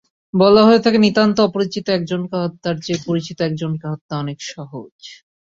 বলা হয়ে থাকে, নিতান্ত অপরিচিত একজনকে হত্যার চেয়ে পরিচিত একজনকে হত্যা অনেক সহজ।